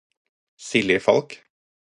Silje Falch